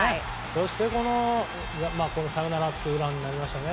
そして、サヨナラツーランとなりましたね。